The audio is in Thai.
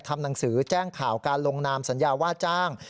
ทำหนังสือแจ้งข่าวการลงนามสัญญาว่าจ้าง